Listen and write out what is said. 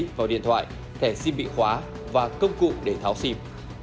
vật lý vào điện thoại kẻ sim bị khóa và công cụ để tháo sim